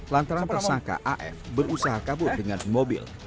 lantaran tersangka af berusaha kabur dengan mobil